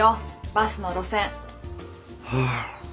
バスの路線。